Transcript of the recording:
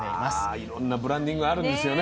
いろんなブランディングあるんですよね。